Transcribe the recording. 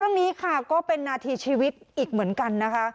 เรื่องนี้ค่ะก็เป็นนาทีชีวิตอีกเหมือนกันนะคะ